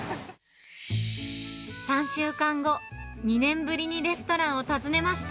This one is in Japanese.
３週間後、２年ぶりにレストランを訪ねました。